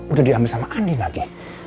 udah diambil sama andin lagi